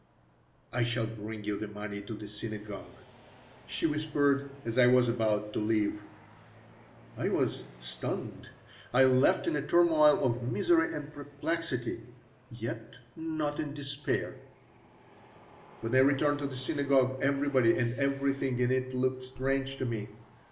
"I shall bring you the money to the synagogue," she whispered as I was about to leave I was stunned. I left in a turmoil of misery and perplexity, yet not in despair When I returned to the synagogue everybody and everything in it looked strange to me.